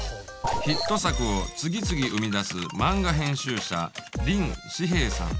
ヒット作を次々生み出す漫画編集者林士平さん。